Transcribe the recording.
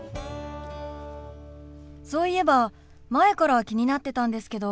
そういえば前から気になってたんですけど。